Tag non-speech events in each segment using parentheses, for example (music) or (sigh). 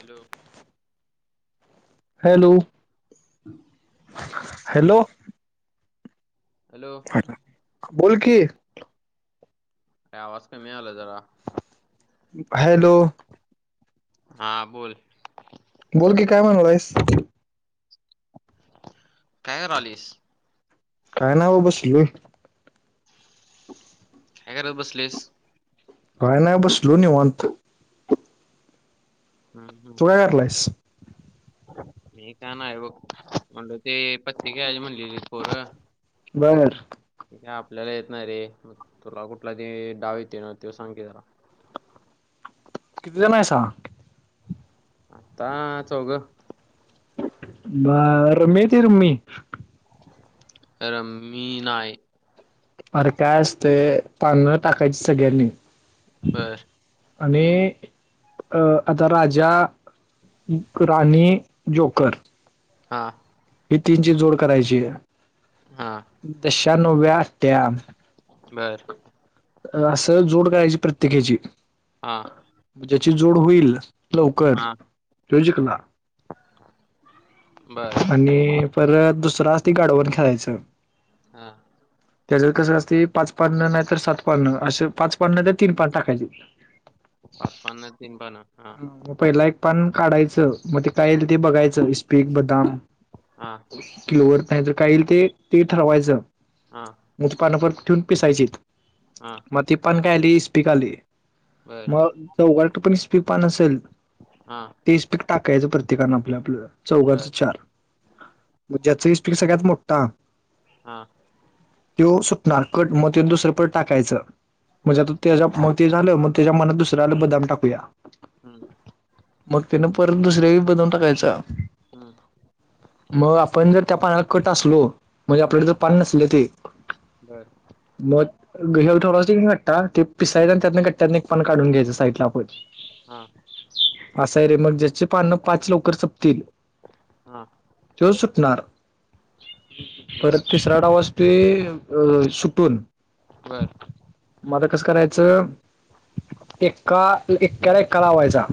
Hello! Hello! Hello! Hello! अरे hello! बोल की. काय आवाज कमी यालाय जरा. हॅलो! हां बोल. बोल की काय म्हणाला आहेस? काय करालईस? काय नाही ओ बसलोय. काय करत बसलईस? काय नाही बसलो निवांत. हम्म तू काय हम्म. (inaudible) मी काय नाही बघ म्हणलं ते पत्ते खेळायचं म्हणलेली पोर. बरं. ते काय आपल्याला येत नाही रे, मग तुला कुठला ते डाव येतोय नव्ह त्यो सांग की जरा. कितीजण आहेसा? आता चौघ. बरं रम्मी येतंय रम्मी? रम्मी नाही. अरे काय असतंय पान टाकायची सगळ्यांनी. बरं. आणि आता राजा राणी, जोकर हां. ही तीनची जोड करायची. हा (inaudible) तश्या नव्या असत्या. बरं. असं जोड करायची प्रत्येकाची. हा. ज्याची जोड होईल लवकर, तो जिकणार. (inaudible) बरं. आणि परत दुसर असतं गाडवण खेळायचं. हा. त्याच्या कसं असते, पाच पान, नाही तर सात पाननं. असं पाच पान नाही तर तीन पान टाकायची. पाच पान नाही तर तीन पानं. हा मग पहिला एक पान काढायचं, मग ते काय येईल ते बघायचं इस्पीक, बदाम (inaudible) हा किलोवर नाही तर, काय येईल ते, ते ठरवायचं. हा. मग पान परत ठेवून पिसायचेत. अं मग ती पान काय आली इस्पीक आली, बर मग चौघात पण इस्पीक पान असंल (inaudible) हा. ते इस्पीक टाकायचं प्रत्येकानं आपलं, आपलं बर चौघांचं तर (inaudible) ज्याचं इस्पीक सगळ्यात मोठा हा. (inaudible) त्यो सुटणार. कट मग ते दुसरं परत टाकायचं, म्हणजे बर आता त्याच्या म ते झालं, मग त्याच्या मनात दुसरं आलं बदाम टाकूया हम्म (inaudible) मग तेन परत दुसऱ्या येळी बदाम टाकायचा. हम्म. मग आपण जर, त्या पानाला कट असलो, म्हणजे हम्म आपल्याला जर पान नसले ते (inaudible) बर (unintelligible) पिसायचं, आणि त्यातन कट्ट्यात एक पान काढून घ्यायचं साईडला आपलं. हा. असंय रे. मग ज्याचे पान पाच लवकर सपतील हा. त्यो सुटणार. (inaudible) बर परत (unintelligible) वाजते अ सुटून बरं. मग आता कसं करायचं? एका इक्याला एका लावायचा.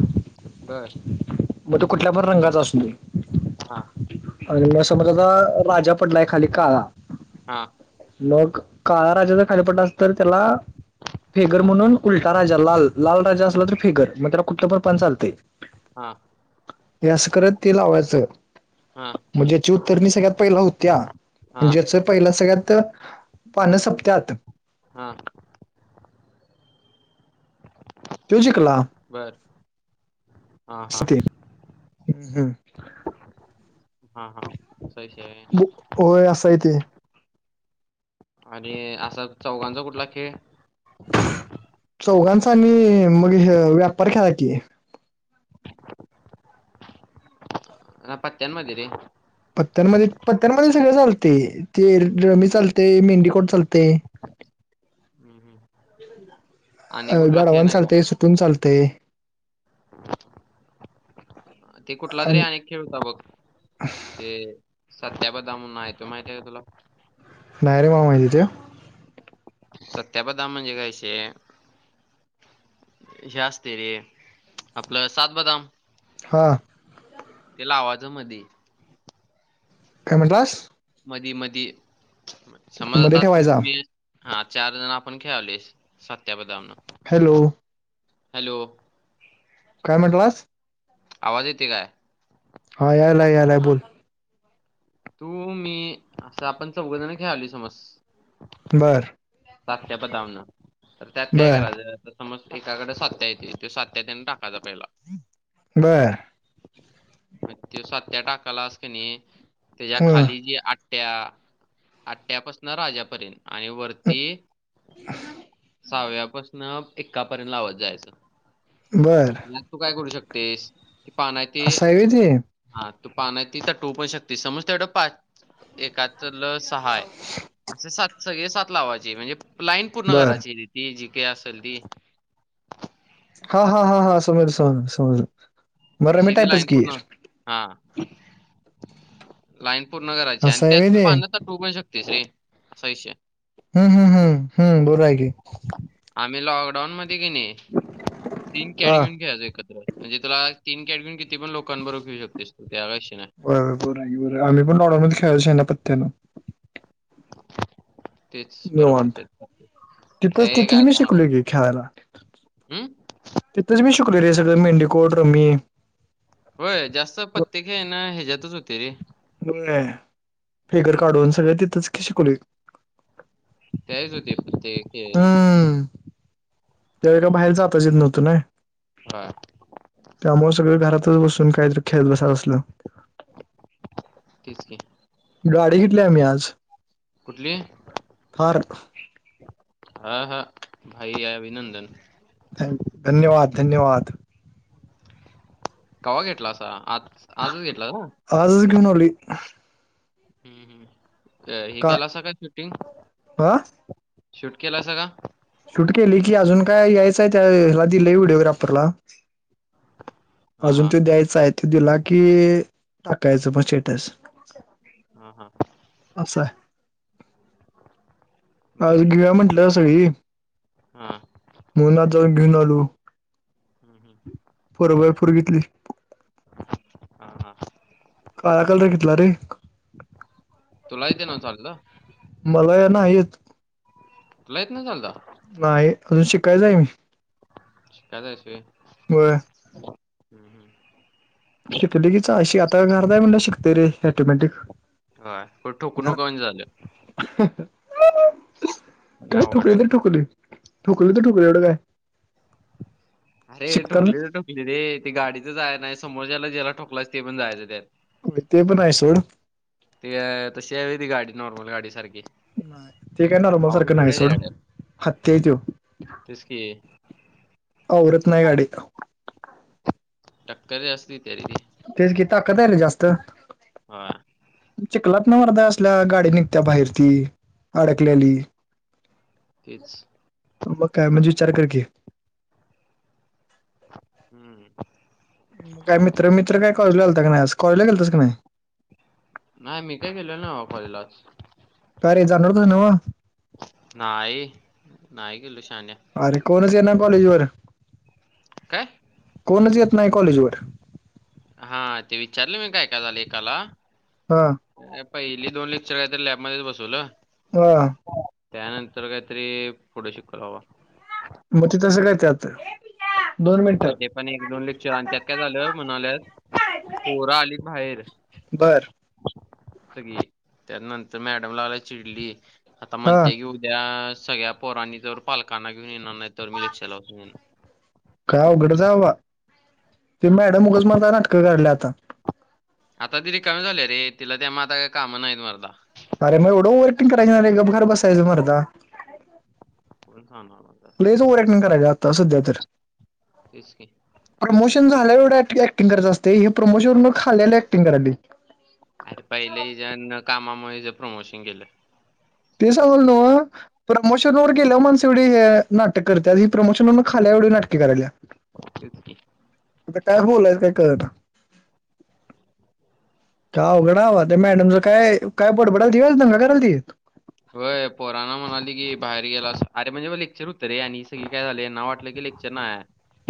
बरं. (inaudible) मग तो कुठल्या पण रंगाचा असु दे. (inaudible) हा अन मग समजा, राजा पडलाय खाली काळा हा मग काळा राजा जर खाली पडला असंल तर, त्याला फेगर म्हणून उलटा राजा लाल लाल राजा हा असला तर फिगर. मग् त्याला कुटलं पण पान चालतंय. हा (inaudible) हे असं करत ते लावायचं. हा मग ज्याची उत्तरनी सगळ्यात पहिले होत्या, हा म्हणजेच पहिल सगळ्यात पानं सपत्यात. हा (inaudible) तो जिकला. बरं. असते हम्म हम्म. हा हा सयश आहे. बुक ओय असाय ते. आणि असा चौघांचा कुठला खेळ? चौघांचा आणि मग ह्य व्यापार खेळा की. आं पत्त्यान मध्ये रे. पत्त्यांमध्ये पत्त्यांमध्ये सगळं चालते ते रमी चालते मेंडीकोट चालते. हम्म हम्म. अ आणि कुठला खेळ गडवान नाही का चालतय सुटून चालतय. ते कुठला तरी अन- आणि एक खेळ होता बघ. ते सत्या बदाम म्हणून हाय तो माहती आहे का तुला? नाही रे मला माहितीे तो. सत्या बदाम म्हणजे काय विषय हे असते रे आपलं सात बदाम. हां. ते लावायचा मधी. काय म्हणालास? मधी मधी समज मध्ये आता तू ठेवायचा मी हा चार जण आपण खेळालोयस सत्या बदाम. हॅलो. हॅलो. काय म्हणटलास? आवाज येतेय काय? हा यालाय यालाय बोल. तू मी असं आपण चौघेजण खेळालोय समज बरं सात्या बदाम नं तर त्यात काय बर करायचं? आता समज एकाकडे सात्या येतेय ते सात्या तेन टाकायचा पहिला. बरं म त्यो सात्या टाकलास क नाही त्याच्या अं, खाली जे आ ठ्या आठ्यापसनं राजापर्यंत आणि वर अं, ती सहाव्यापासनं ऐक्का पर्यंत लावत जायचं. बरं मग तू काय करू शकतेस ते पान आहे ते असं व्हय ते हा तो पान आहे ती तर टोवू पण शकते समज तेवढं पा एकातलं सहा हाय असे सात सगळे सात लावायचे म्हणजे लाईन पूर्ण बर करायची ती जी का असेल ती. हा हा हा हा समज समज समजलं म रमी टाईपच की. हां. लाईन पूर्ण करायची आणि असं आहे त्यात व्हय तू ते पान त टवू पण शकतोस रे असा विषय हाय. हम्म हम्म हम्म हम्म हम्म बरो आहे की. आम्ही लॉकडाऊन मध्ये की नी तीन कॅट हा घेऊन खेळायचं एकत्र म्हणजे तुला तीन कॅट घेऊन किती पण लोकां बरोबर खेळू शकतेस तू त्या काय विषय नाय. व्हय बरं आहे की बरं आहे आम्ही पण लॉकडाउनमध्ये खेळायच ह्यानं पत्त्यानं. तेच बरोबर निवांत, तेच तिथच ते काय तिथच मी आता शिकलो मला की खेळायला. हम्म तिथच मी शिकलो रे सगळ मेंडीकोट रमी. होय जास्त पत्ते खेळण ह्याच्यातच होते रे. व्हय फिगर काढून सगळ तिथच की शिकलोय. त्यावेळीच होते पत्ते खेळण. त्यावेळेला बाहेर जाताच येत नव्हत ना. (unintelligible) त्यामुळे सगळ घरातच बसून काहीतरी खेळत बसा असल. तेच की. गाडी घेतली आम्ही आज. कुठली? फार हा हा, भाई अभिनंदन. थॅंक, धन्यवाद धन्यवाद. कवा घेतलासा. आज आजच घेतला का मग. आजच घेऊन आली हम्म हम्म, हे का केल असा काय शूटिंग. हा शूट केलासा का? शूट केली की अजून काय यायचय त्या हेला दिले व्हिडिओग्राफरला. हा अजून हा त द्यायच आहे. तो दिला कि टाकायच बजेटस. हा हा असं आज बर बर घेऊया म्हटल सगळी. हा म्हणून आज जाऊन घेऊन आलो. हम्म फोर बाय फोर हम्म घेतली हा हा काळा कलर घेतला रे. तुला येते नव चालवता. मला या नाही येत. तुला येत ना चालवता? नाही अजून शिकायच आहे मी. शिकायच आहेस व्हय. होय हम्म हम्म शिकली की चा असी, आता घरात आहे म्हटल्यावर शिकते रे ऑटोमॅटिक. हा पण ठोकु घरात नको म्हणजे झाल. काय नाही अवघड ठोकली तर व्हायचं. ठोकली. ठोकली तर ठोकली एवढ काय. अरे शिकताना ठोकली तर ठो कली रे. ते गाडीच जाय नाही समोरच्याला ज्याला ठोकलायच ते पण जायच त्यात. होय ते पण आहे सोड. ते तशी आहे व्हय ती गाडी नॉर्मल गाडी सारखी. नाही ते काय ना नॉर्मल पावर सारख नाही केवढ्या त्या सोड. गाड्या हत्ती आहे त्यो. तेच की. आवरत नाही गाडी. टक्कर जास्तीये तरीबी तेच कि, ताकत आहे ना जास्त. हा चिकलात न मरदा असल्या गाडी निघत्या बाहेर ती अडकलेली. (inaudible) तेच मग काय म्हणजे विचार कर की. हम्म मग काय मित्र मित्र काय कॉलेजला आलाता का नाही आज? कॉलेजला गेलतास का नाही? नाही मी काय गेलो नाही बाबा कॉलेजला आज. का रे? जाणार होतास नवं. नाही, नाही गेलो शहाण्या. अरे, कोणच येईना कॉलेज वर. काय? कोणच येत नाही कॉलेज वर. हा, ते विचारले मी, काय काय झालं एकाला. हा. पहिली दोन लेक्चर आहे, तर लॅबमध्येच बसवलं हा. त्यानंतर काहीतरी पुढे शिकवल बाबा मग ते तसं करतात. आणि ते पण एक, दोन लेक्चर आणि त्यात काय झालं म्हणाल्यात, पोरं आली बाहेर बरं. सगळी. त्यानंतर मॅडमला आला चिडली, आता हा म्हणते घेऊ त्या सगळ्या पोरांनी जर पालकांना घेऊन येणार नाही, तर मी लेक्चरला बसू देणारं काय अवघडचे बाबा. ती मॅडम उगच मधे नाटकं काढल्या आता. आता ती रिकामी झालीय रे, तिला त्यामुळं आता काही कामं नाहीत मरदा. अरे मग एवढं ओव्हरॅक्टिंग करायचं नाही रे गप घरी बसायचं मरदा. कोण सांगणार मला आता? लईच ओव्हरॅक्टिंग करायलीय, आता सध्या तर तेच की प्रमोशन झाल्यावर एवढं ॲक्टिंग करायच असते, हे प्रमोशन मग खाल्याले ॲक्टिंग करायली. अरे पहिले हिच्या न कामामुळ हिज प्रमोशन गेलं. ते सांगल ना. प्रमोशन वर गेल्याव माणस एवढी हे नाटक करत्यात. ही प्रमोशनवर खाली आल्याव एवढी नाटके करायल्या. (inaudible) आता काय बोलायच कळना. काय अवघडे बा ते मॅडमल काय काय बडबडालती का दंगा करालती. होय पोरांना म्हणाली की, बाहेर गेला अस. अरे म्हणजे ब लेक्चर होतं रे आणि सगळी काय झाले ना वाटलं की, लेक्चर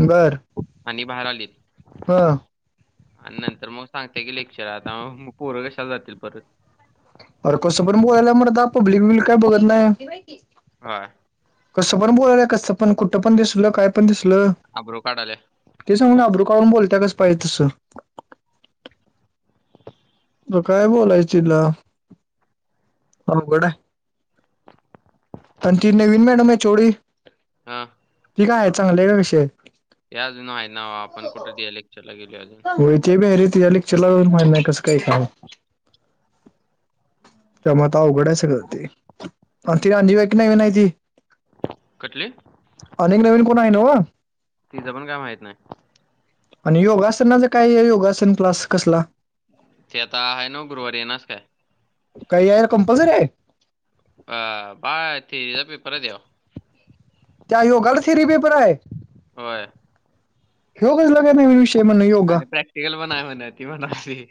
बर आणि बाहेर आलीत. हा आणि नंतर मग सांगते की, लेक्चर हाय. आता पोरं कशाला जातील परत. अर कसं पण बोलायली मर्दा पब्लिक बिब्लिक काय बघत नाही. होय. कसं पण बोलायली, कसं पण, कुठं पण, दिसलं काय पण दिसलं. अब्रू काढायल्या. ते सांगून अब्रू काढून बोलत्या, कस पाहिजे तसं. आता काय बोलायचीला, अवघडाय. आणि ती तेच नवीन मॅडम एच ओ डी हा ती काय आहे चांगलय का विषय हे अजून आहे ना, आपण कुठे लेक्चर ला गेलो अजून आहे होय, ते भी हाय रे तिच्या लेक्चरला माहित नाही कसं काय काम आहे. त्यामुळं आता अवघडाय सगळं ते. कुठली अनेक नवीन कोण हाय न वा? तिचं पण काय माहित नाही आणि योगासनाच काय हे योगासन क्लास कसला? ते आता आहे न व गुरुवारी येणारेस काय? काय यार कंपल्सरी हाय? आ बाळ ते हेचा पेपर हाय त्यावर त्या योगाड थेरी पेपर हाय? व्हय ह्यो कसला काय विष आणि प्रॅक्टिकल पण हाय म्हण ती म्हणालती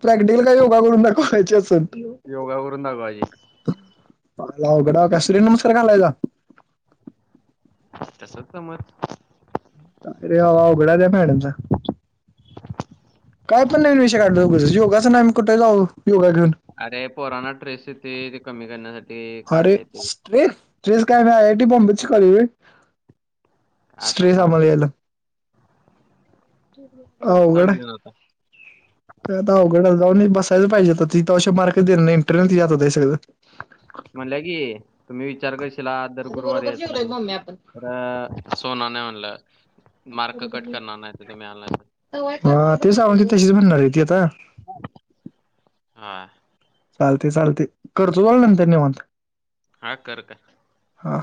प्रॅक्टिकल का योगा करून दाखवायची असनं योगा करून दाखवायची काय अवघड हाय, काय सूर्यनमस्कार घालायचा? तसच समज अ रे बाबा अवघड आहे त्या मॅडमच काय पण नवीन विषय काढलोय उगचंच, योगसन आम्ही कुठ जाऊ योगा घेऊन? अरे पोराना स्ट्रेस येतोय ते कमी करण्यासाठी अरे काढले ते. स्ट्रेस, स्ट्रेस काय नाही ते (unintelligible) आता स्ट्रेस सांग आम्हाला यायला. तू. तूच अवघड सांग हाय. घेऊन आता. का आता अवघड जाऊन बसायच पाहिजे होतं ती त्याशिवाय मार्कच देणार नाही, इंटरनल तिच्या हातात हाय सगळं म्हणल्या की, तुम्ही विचार क तिला दर गुरुवारी यायचं नाही, तरं अस होणार नाही म्हणलं. मार्क कट करणार नाहीतर तुम्ही आला नाही तर हा ते (unintelligible) तशीच म्हणणार आहे ती आता होय चालतयं चालतयं करतो तुला नंतर निवांत हा कर का हा.